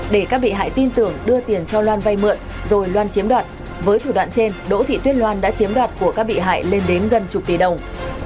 để các bị hại tin tưởng đưa tiền cho loan vay mượn rồi loan chiếm đoạt với thủ đoạn trên đỗ thị tuyết loan đã chiếm đoạt của các bị hại lên đến gần chục tỷ đồng